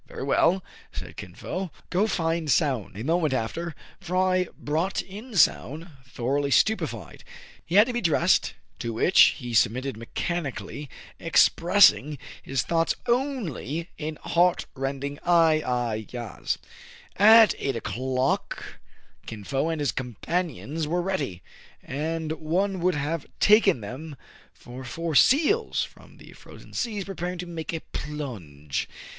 " Very well/* said Kin Fo. " Go find Soun." A moment after, Fry brought in Soun, thor oughly stupefied. He had to be dressed, to which he submitted mechanically, expressing his thoughts only in heart rending "Ai, ai, yas." At eight o'clock Kin Fo and his companions were ready ; and one would have taken them for four seals from the frozen seas preparing to make a plunge.